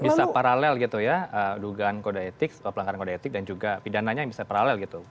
bisa paralel gitu ya dugaan kode etik pelanggaran kode etik dan juga pidananya yang bisa paralel gitu